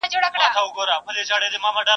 چي یې نه غواړې هغه به در پیښیږي